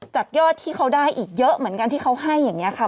ยอดที่เขาได้อีกเยอะเหมือนกันที่เขาให้อย่างนี้ค่ะ